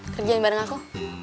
kerjain bareng aku